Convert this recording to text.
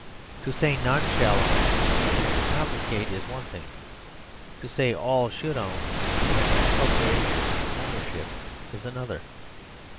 To say "none shall own" and to confiscate is one thing; to say "all should 109 THE SERVILE STATE own" and apportion ownership is another.